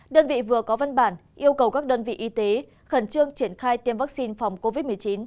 đơn vị vừa có văn bản yêu cầu các đơn vị y tế khẩn trương triển khai tiêm vaccine phòng covid một mươi chín